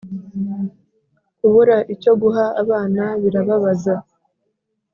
Kubura icyo guha abana birababaza